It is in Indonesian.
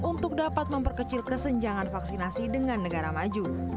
untuk dapat memperkecil kesenjangan vaksinasi dengan negara maju